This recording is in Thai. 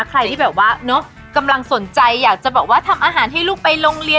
ใครที่แบบว่าเนอะกำลังสนใจอยากจะบอกว่าทำอาหารให้ลูกไปโรงเรียน